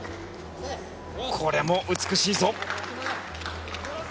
これも美しいぞ。